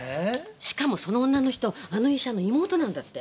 しかもその女の人あの医者の妹なんだって。